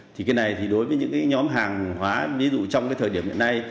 thì cái này thì đối với những cái nhóm hàng hóa ví dụ trong cái thời điểm hiện nay